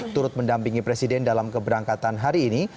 turut mendampingi presiden dalam keberangkatan hari ini